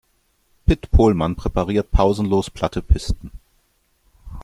Pit Pohlmann präpariert pausenlos platte Pisten.